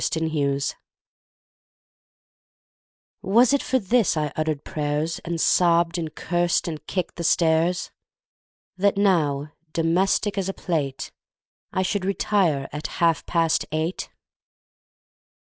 Grown up WAS it for this I uttered prayers, And sobbed and cursed and kicked the stairs, That now, domestic as a plate, I should retire at half past eight?